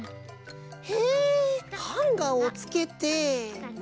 へえハンガーをつけて。